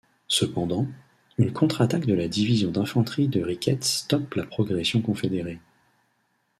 Cependant, une contre-attaque de la division d'infanterie de Ricketts stoppe la progression confédérée.